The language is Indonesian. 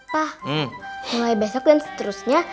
wah mulai besok dan seterusnya